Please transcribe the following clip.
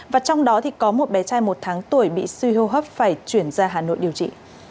và trong đó có một bé trai một tháng tuổi bị suy hô hấp phải chuyển ra hà nội điều trị